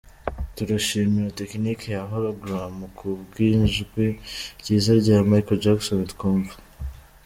Turashimira tekinike ya hologram ku bw’ ijwi ryiza rya Michael Jackson twumva.